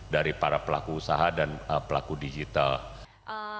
dari para pelaku usaha dan pelaku digital